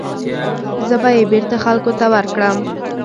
زه به یې بېرته خلکو ته ورکړم.